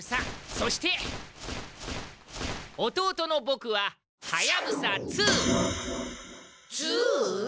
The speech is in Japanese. そして弟のボクははやぶさ２！ツウ？